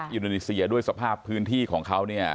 อินโดนีเซียด้วยสภาพพื้นที่ของเขาเนี่ย